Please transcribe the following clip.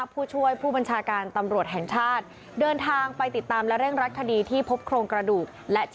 ผู้ช่วยผู้บัญชาการตำรวจแห่งชาติเดินทางไปติดตามและเร่งรัดคดีที่พบโครงกระดูก